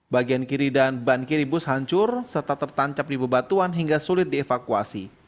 bagian kiri dan ban kiri bus hancur serta tertancap di bebatuan hingga sulit dievakuasi